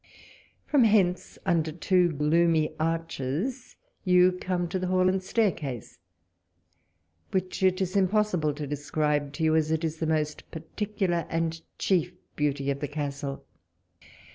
From 64 walpole's letters. hence, under two gloomy arches, you come to the hall and staircase, which it is impossible to describe to you, as it is the most particular and chief beauty of the castle.